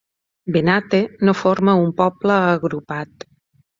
Benante no forma un poble agrupat.